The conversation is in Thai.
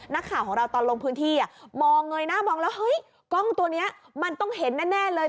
นักข่าวของเราตอนลงพื้นที่มองเงยหน้ามองแล้วเฮ้ยกล้องตัวนี้มันต้องเห็นแน่เลย